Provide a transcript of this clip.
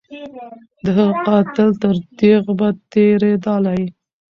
د هغه قاتل تر تیغ به تیریدلای